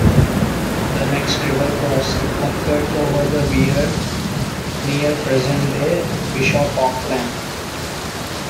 The next river crossing occurred over the Wear near present-day Bishop Auckland.